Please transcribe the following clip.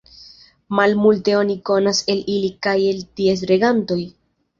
Malmulte oni konas el ili kaj el ties regantoj.